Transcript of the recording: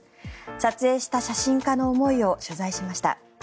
撮影した写真家の思いを取材しました。